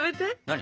何？